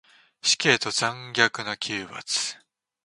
死刑と残虐な刑罰